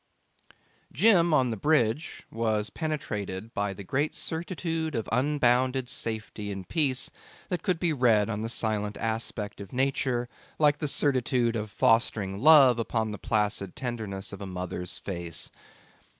Jim on the bridge was penetrated by the great certitude of unbounded safety and peace that could be read on the silent aspect of nature like the certitude of fostering love upon the placid tenderness of a mother's face.